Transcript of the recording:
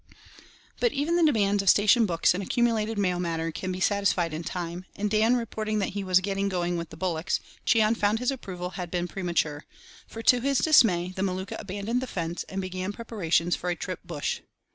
But even the demands of station books and accumulated mail matter can be satisfied in time, and Dan reporting that he was "getting going with the bullocks," Cheon found his approval had been premature; for, to his dismay, the Maluka abandoned the fence, and began preparations for a trip "bush."